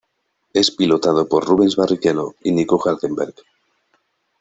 Es pilotado por Rubens Barrichello y Nico Hülkenberg.